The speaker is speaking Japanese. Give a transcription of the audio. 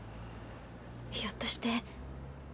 ひょっとして女性？